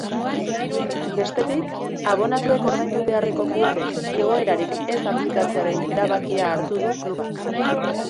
Bestetik, abonatuek ordaindu beharreko kuotek igoerarik ez aplikatzearen erabakia hartu du klubak.